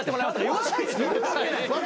言わないですよ。